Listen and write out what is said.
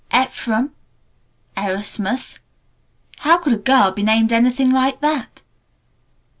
Ephraim Erasmus (How could a girl be named anything like that!)